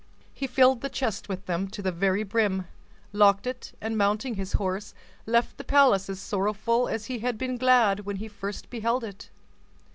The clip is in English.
He filled the chest with them to the very brim, locked it, and, mounting his horse, left the palace as sorrowful as he had been glad when he first beheld it.